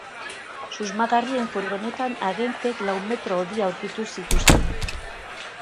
Susmagarrien furgonetan agenteek lau metro hodi aurkitu zituzten.